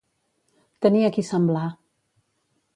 Tenir a qui semblar.